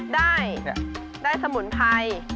ได้ได้สมุนไพร